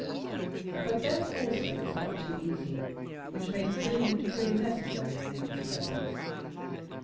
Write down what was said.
But theirs also was not too easy, which made the billing and cooing necessary in his presence.